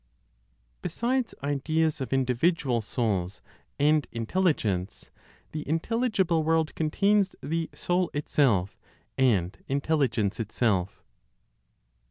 BESIDES IDEAS OF INDIVIDUAL SOULS AND INTELLIGENCE, THE INTELLIGIBLE WORLD CONTAINS THE SOUL ITSELF AND INTELLIGENCE ITSELF.